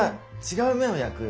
違う面を焼く？